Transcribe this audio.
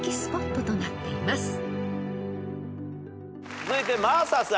続いて真麻さん。